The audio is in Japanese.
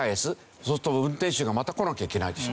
そうすると運転手がまた来なきゃいけないでしょ。